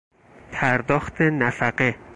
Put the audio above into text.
پرداخت نفقه